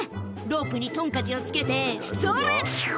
「ロープにトンカチをつけてそれ！」